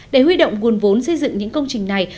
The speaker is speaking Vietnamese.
để huy động nguồn vốn xây dựng những công trình này